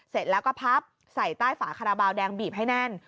เสร็จแล้วก็พับใส่ใต้ฝาคาราบาลแดงบีบให้แน่น